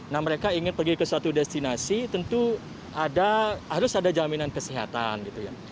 nah mereka ingin pergi ke suatu destinasi tentu harus ada jaminan kesehatan gitu ya